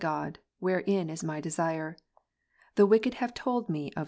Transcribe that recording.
CONF. God, wherein is my desire. The wicked have told me of B.